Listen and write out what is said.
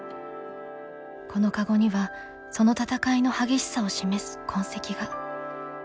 この籠にはその戦いの激しさを示す痕跡が。